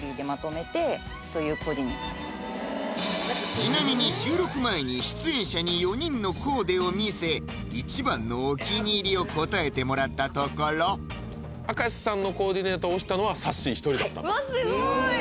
ちなみに収録前に出演者に４人のコーデを見せ一番のお気に入りを答えてもらったところ明石さんのコーディネートをスゴい！